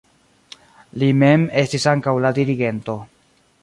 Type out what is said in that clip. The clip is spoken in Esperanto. Li mem estis ankaŭ la dirigento.